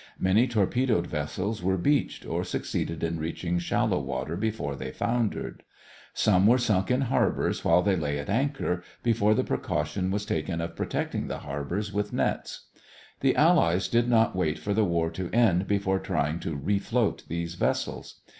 Many torpedoed vessels were beached or succeeded in reaching shallow water before they foundered. Some were sunk in harbors while they lay at anchor, before the precaution was taken of protecting the harbors with nets. The Allies did not wait for the war to end before trying to refloat these vessels.